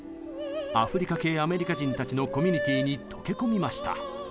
アフリカ系アメリカ人たちのコミュニティーに溶け込みました。